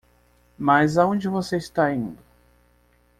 Mas aonde você está indo?